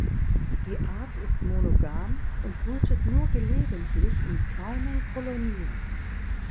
Die Art ist monogam und brütet nur gelegentlich in kleinen Kolonien.